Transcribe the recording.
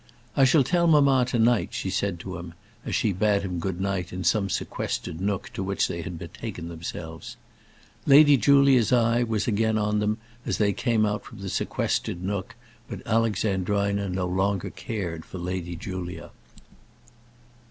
"I shall tell mamma, to night," she said to him, as she bade him good night in some sequestered nook to which they had betaken themselves. Lady Julia's eye was again on them as they came out from the sequestered nook, but Alexandrina no longer cared for Lady Julia.